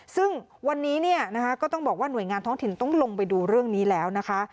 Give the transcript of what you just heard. ซึ่งวันนี้เนี่ยนะคะก็ต้องบอกว่าหน่วยงานท้องถิ่นต้องลงไปดูเรื่องนี้แล้วนะคะ